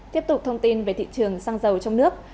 tiếp tục thông tin về thị trường xăng dầu trong nước